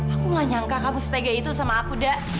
aku gak nyangka kamu setegah itu sama aku da